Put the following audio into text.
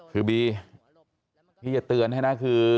คือบีพี่จะเตือนให้นะคือ